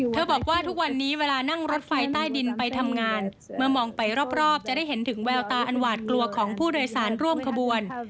บอกว่าทุกวันนี้เวลานั่งรถไฟใต้ดินไปทำงานเมื่อมองไปรอบจะได้เห็นถึงแววตาอันหวาดกลัวของผู้โดยสารร่วมขบวน